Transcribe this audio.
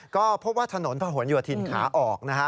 ก็พบว่าถนนภะหวนโยธินขาออก